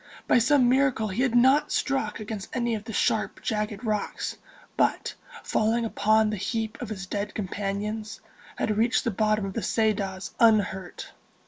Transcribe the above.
By some miracle he had not struck against any of the sharp, jagged rocks, but, falling upon the heap of his dead companions, had reached the bottom of the Ceadas unhurt.